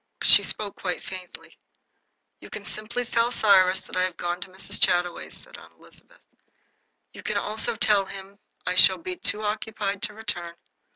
She spoke quite faintly. "You can simply tell Cyrus that I have gone to Mrs. Chataway's," said Aunt Elizabeth. "You can also tell him I shall be too occupied to return.